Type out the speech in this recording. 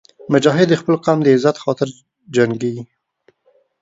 مجاهد د خپل قوم د عزت خاطر جنګېږي.